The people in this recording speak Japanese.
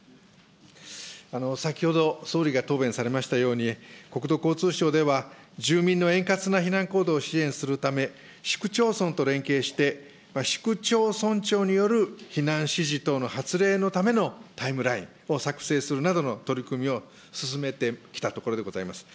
先ほど、総理が答弁されましたように、国土交通省では、住民の円滑な避難行動を支援するため、市区町村と連携して、市区町村長による避難指示等の発令のためのタイムラインを作成するなどの取り組みを進めてきたところでございます。